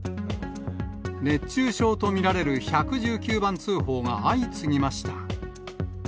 熱中症と見られる１１９番通報が相次ぎました。